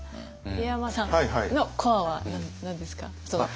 入山さんのコアは何ですか？